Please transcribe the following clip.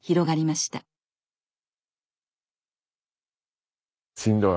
しんどい